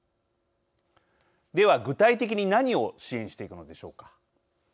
では、具体的に何を支援していくのでしょうか。